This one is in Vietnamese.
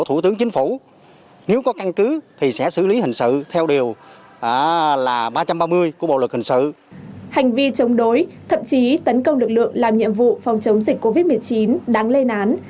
hành vi chống đối thậm chí tấn công lực lượng làm nhiệm vụ phòng chống dịch covid một mươi chín đáng lên án